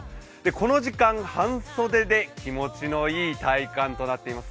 この時間、半袖で気持ちのいい体感となっています。